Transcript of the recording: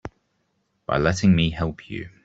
By letting me help you.